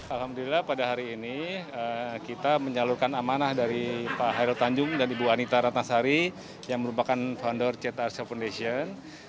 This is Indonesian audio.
alhamdulillah pada hari ini kita menyalurkan amanah dari pak hairul tanjung dan ibu anita ratnasari yang merupakan founder ct arsa foundation